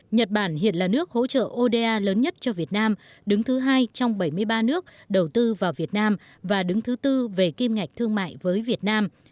nhật bản hiện là nước hỗ trợ oda lớn nhất cho việt nam đứng thứ hai trong bảy mươi ba nước đầu tư vào việt nam và đứng thứ tư về kim ngạch thương mại với việt nam